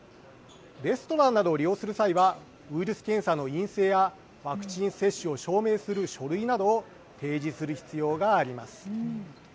レストランなどを利用する際はウイルス検査の陰性やワクチン接種を証明する書類などを提示する必要があります。